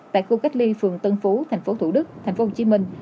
tại khu cách ly phường tân phú thành phố thủ đức thành phố hồ chí minh